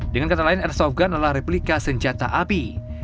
dengan kata lain airsoft gun adalah replika senjata api